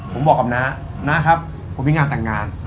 ผมบอกกับน้าน้าครับผมมีงานแต่งงาน